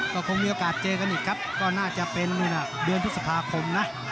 ก็คงมีโอกาสเจอกันอีกครับก็น่าจะเป็นเดือนพฤษภาคมนะ